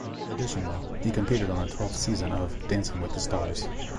Additionally, he competed on the twelfth season of "Dancing with the Stars".